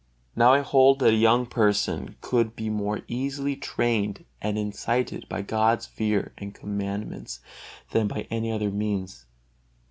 Now I hold that a young person could be more easily trained and incited by God's fear and commandments than by any other means.